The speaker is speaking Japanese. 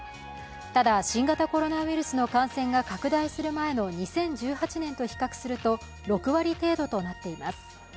ただ、新型コロナウイルスの感染が拡大する前の２０１８年と比較すると、６割程度となっています。